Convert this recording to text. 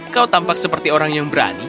kau tampak seperti orang yang berani